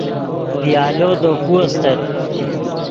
پیالو دے کو استت